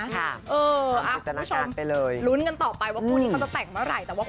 ข้านี้ชีวิตภูมิเขาก็จะแต่งเวลาแต่ว่า